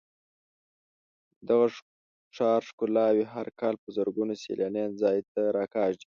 د دغه ښار ښکلاوې هر کال په زرګونو سېلانیان ځان ته راکاږي.